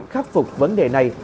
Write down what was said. khắc phục vấn đề này